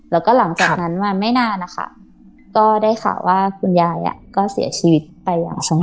แล้วก็หลังจากนั้นมาไม่นานนะคะก็ได้ข่าวว่าคุณยายก็เสียชีวิตไปอย่างชำนา